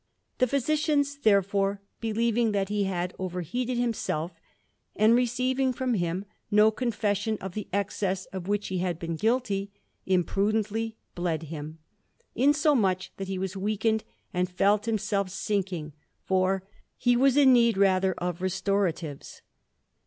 The physicians, therefore, believing that he had overheated himself, and receiving from him no confession of the excess of which he had been guilty, imprudently bled him, insomuch that he was weakened and felt himself sinking; for he was in need rather of restoratives.